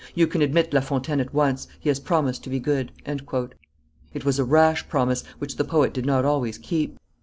You can admit La Fontaine at once; he has promised to be good." It was a rash promise, which the poet did not always keep.